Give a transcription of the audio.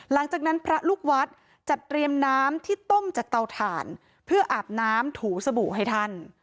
หลังจากนั้นพระลูกวัดจัดเตรียมน้ำที่ต้มจากเตาถ่านเพื่ออาบน้ำถูสบู่ให้ท่าน